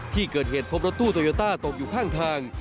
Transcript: ที่เกิดเหตุพบรถตู้โตโยต้าตกอยู่ข้างทาง